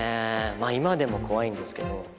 今でも怖いんですけど。